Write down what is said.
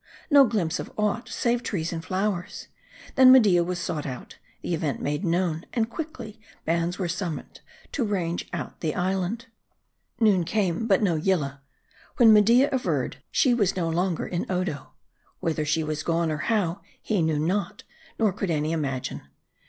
No glimpse of aught, save trees and flowers. Then Media was sought out ; the event made known ; and quickly, bands were summoned to range the isle. Noon came ; but no Yillah. When Media averred she was no longer in Odo. Whither she was gone, or how, he knew not ; nor could any imagine.